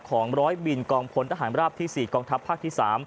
ของร้อยบินกองพลทหารราบที่๔กองทัพภาคที่๓